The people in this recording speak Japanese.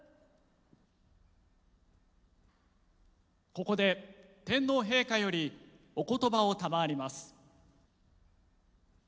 ここで天皇陛下よりおことばを賜ります。